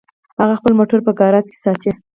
هغه خپل موټر په ګراج کې ساتي